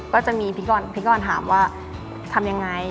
ก็จะมีพี่กรถามว่าทำยังไง